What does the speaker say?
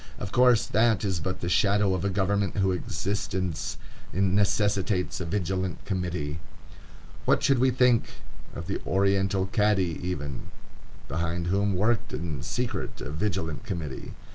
Of course, that is but the shadow of a government whose existence necessitates a Vigilant Committee. What should we think of the oriental Cadi even, behind whom worked in secret a Vigilant Committee?